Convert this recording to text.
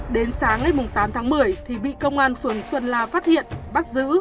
đến sáng ngày tám tháng một mươi thì bị công an phường xuân la phát hiện bắt giữ